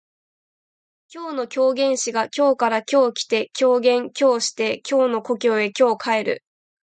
今日の狂言師が京から今日来て狂言今日して京の故郷へ今日帰る